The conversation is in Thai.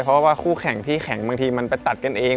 เพราะว่าคู่แข่งที่แข่งบางทีมันไปตัดกันเอง